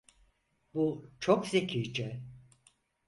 Bu çok zekice.